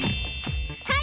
はい！